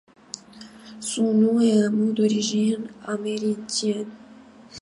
Son nom est un mot d'origine amérindienne.